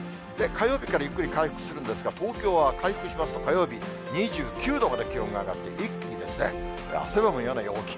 火曜日からゆっくり回復するんですが、東京は回復しますと、火曜日２９度まで気温が上がって、一気に汗ばむような陽気。